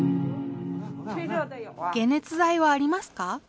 解熱剤はありますか？